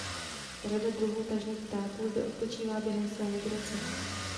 Řada druhů tažných ptáků zde odpočívá během své migrace.